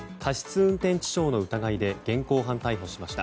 運転致傷の疑いで現行犯逮捕しました。